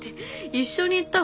一緒に行ったのに？